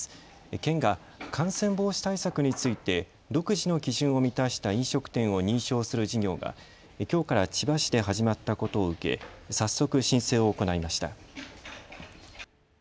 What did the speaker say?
県が感染防止対策について独自の基準を満たした飲食店を認証する事業がきょうから千葉市で始まったことを受け早速、申請を行いました。